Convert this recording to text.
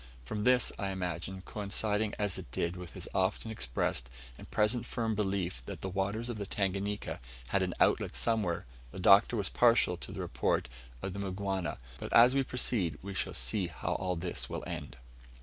From this, I imagine, coinciding as it did with his often expressed and present firm belief that the waters of the Tanganika had an outlet somewhere, the Doctor was partial to the report of the Mgwana; but as we proceed we shall see how all this will end.